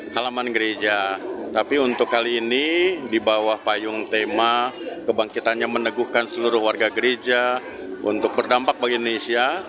halaman gereja tapi untuk kali ini di bawah payung tema kebangkitannya meneguhkan seluruh warga gereja untuk berdampak bagi indonesia